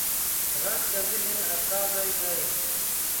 غږ د ذهن استازی دی